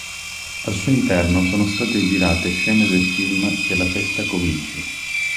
Al suo interno sono state girate scene del film "Che la festa cominci...".